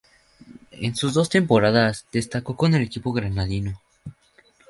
En sus dos temporadas destacó con el equipo granadino.